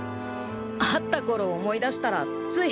会ったころ思い出したらつい。